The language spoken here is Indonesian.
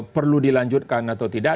perlu dilanjutkan atau tidak